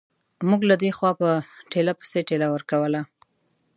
موږ له دې خوا په ټېله پسې ټېله ورکوله.